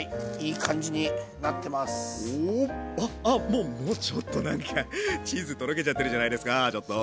もうもうちょっとなんかチーズとろけちゃってるじゃないですかちょっと。